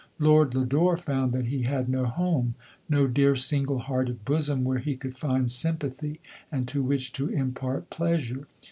Lord Lodore found that he had no home, no dear single hearted bosom where he could find sympathy and to which to impart pleasure.